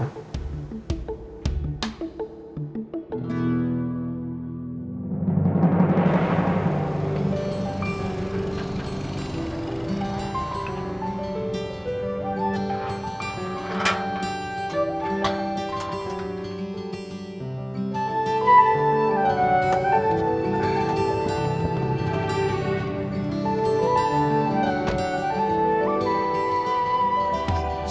tapi kalau dia tahu